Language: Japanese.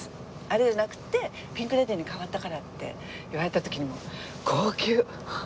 あれじゃなくてピンク・レディーに変わったからって言われた時にもう号泣。